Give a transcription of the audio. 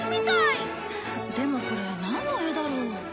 でもこれなんの絵だろう？